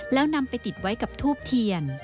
แล้วนำไปติดไว้กับทูบเทียน